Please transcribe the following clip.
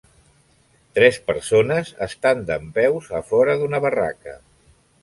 Tres persones estan dempeus a fora d'una barraca.